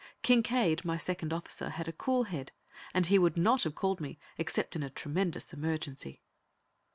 Kincaide, my second officer, had a cool head, and he would not have called me except in a tremendous emergency.